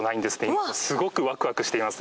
今すごくワクワクしています。